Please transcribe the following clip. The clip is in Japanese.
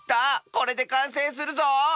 これでかんせいするぞ！